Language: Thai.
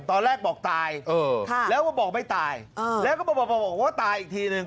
ตอนแรกบอกตายแล้วก็บอกไม่ตายแล้วก็บอกว่าตายอีกทีหนึ่ง